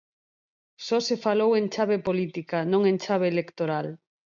Só se falou en chave política, non en chave electoral.